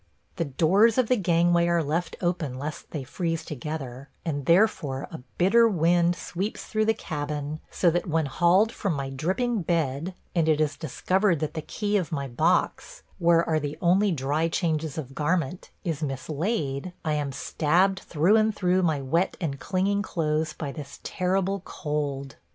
The doors of the gangway are left open lest they freeze together, and therefore a bitter wind sweeps through the cabin, so that when hauled from my dripping bed, and it is discovered that the key of my box, where are the only dry changes of garment, is mislaid, I am stabbed through and through my wet and clinging clothes by this terrible cold.